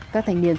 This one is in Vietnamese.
các thành niên sẽ